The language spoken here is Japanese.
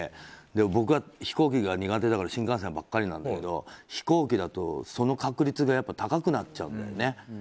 僕は飛行機が苦手だから新幹線ばっかりだけど飛行機だと、その確率が高くなっちゃうんだよね。